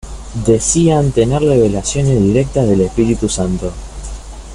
Decían tener revelaciones directas del Espíritu Santo.